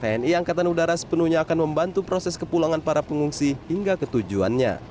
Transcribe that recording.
tni angkatan udara sepenuhnya akan membantu proses kepulangan para pengungsi hingga ketujuannya